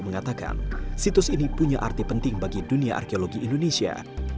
mengatakan situs ini punya arti penting bagi dunia arkeologi indonesia